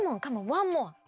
ワンモア！